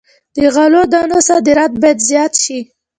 د غلو دانو صادرات باید زیات شي.